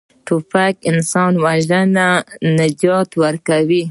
توپک انسان وژني، نه نجات ورکوي.